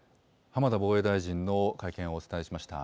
浜田防衛大臣の会見をお伝えしました。